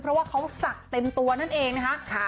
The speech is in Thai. เพราะว่าเขาสักเต็มตัวนั่นเองนะครับ